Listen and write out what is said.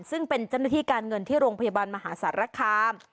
ซึ่งเป็นเจ้าหน้าที่การเงินที่โรงพยาบาลมหาสารคาม